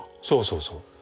そうそうそう。